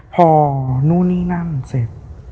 พอนู่นนี่นั่นเสร็จ